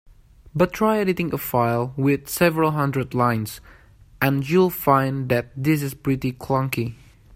But try editing a file with several hundred lines, and you'll find that this is pretty clunky.